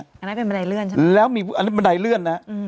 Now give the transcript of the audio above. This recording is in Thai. อันนั้นเป็นบันไดเลื่อนใช่ไหมแล้วมีอันนี้บันไดเลื่อนนะ